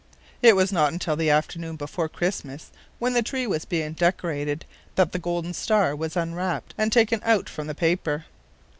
It was not until the afternoon before Christmas, when the tree was being decorated, that the golden star was unwrapped and taken out from the paper.